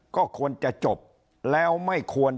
ก็ควรจะจบแล้วไม่ควร